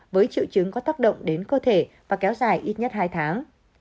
với triệu chứng có tác động đến cơ thể và kéo dài ít nhất hai tháng